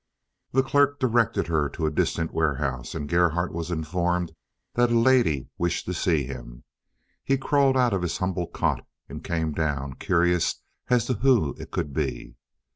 The clerk directed her to a distant warehouse, and Gerhardt was informed that a lady wished to see him. He crawled out of his humble cot and came down, curious as to who it could be.